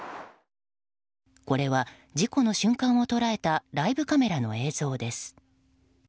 これは事故の瞬間を捉えたライブカメラの映像です。